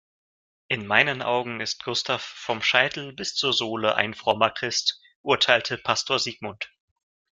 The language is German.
In meinen Augen ist Gustav vom Scheitel bis zur Sohle ein frommer Christ, urteilte Pastor Sigmund.